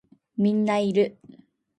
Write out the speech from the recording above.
みんないる